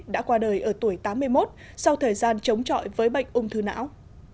đã qua đời ở tuổi tám mươi một sau thời gian chống chọi với bệnh ung thư não